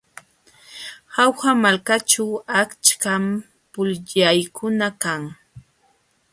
Jauja malkaćhu achkam pukllaykuna kan.